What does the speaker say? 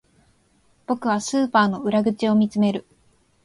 僕はスーパーの裏口を見つめる